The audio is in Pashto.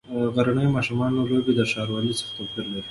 د غرنیو ماشومانو لوبې د ښاروالۍ څخه توپیر لري.